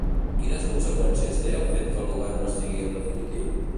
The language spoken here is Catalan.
Quines conseqüències té el fet que el govern no sigui el definitiu?